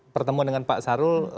pertemuan dengan pak syahrul